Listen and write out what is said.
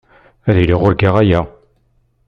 Ad iliɣ urgaɣ aya.